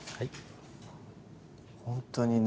ほんとにね